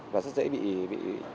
và rất dễ bị